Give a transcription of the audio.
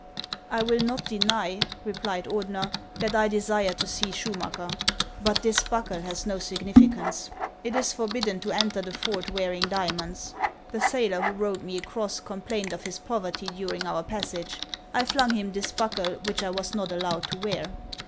" I will not deny," replied Ordener, " that I desired to see Schumacker. But this buckle has no significance. It is forbidden to enter the fort wearing diamonds. The sailor who rowed me across complained of his poverty during our passage. I flung him this buckle, which I was not allowed to wear."